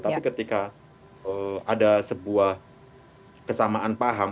tapi ketika ada sebuah kesamaan paham